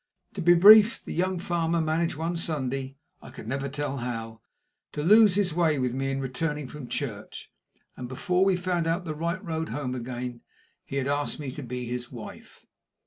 To be brief, the young farmer managed one Sunday I never could tell how to lose his way with me in returning from church, and before we found out the right road home again he had asked me to be his wife.